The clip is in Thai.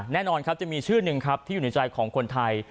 แน่นอนครับจะมีชื่อหนึ่งครับที่อยู่ในใจของคนไทย